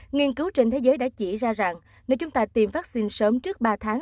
nghiên cứu trên thế giới đã chỉ ra rằng nếu chúng ta tiêm vắc xin sớm trước ba tháng